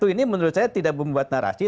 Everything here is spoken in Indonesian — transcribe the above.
ini menurut saya tidak membuat narasi